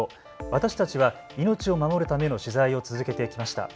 私たちは命を守るための取材を続けてきました。